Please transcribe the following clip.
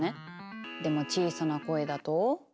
でも小さな声だと。